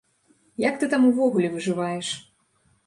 Як ты там увогуле выжываеш?